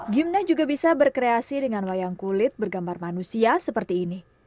gimna juga bisa berkreasi dengan wayang kulit bergambar manusia seperti ini